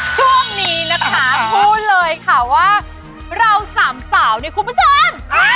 ช่วงนี้นะคะพูดเลยค่ะว่าเราสามสาวเนี่ยคุณผู้ชม